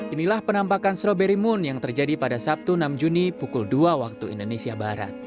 inilah penampakan strawberry moon yang terjadi pada sabtu enam juni pukul dua waktu indonesia barat